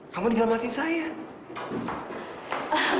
kamu dijalankan sayang